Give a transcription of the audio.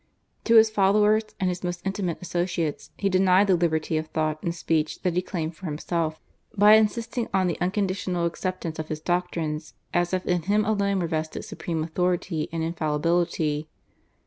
To his followers and his most intimate associates he denied the liberty of thought and speech that he claimed for himself, by insisting on the unconditional acceptance of his doctrines as if in him alone were vested supreme authority and infallibility.